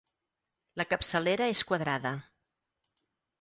La capçalera és quadrada.